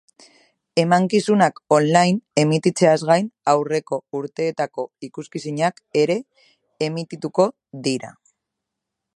Emankizunak online emititzeaz gain, aurreko urteetako ikuskizunak ere emitituko dira.